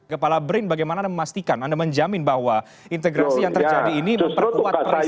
kepala brin bagaimana anda memastikan anda menjamin bahwa integrasi yang terjadi ini memperkuat riset dan juga penelitian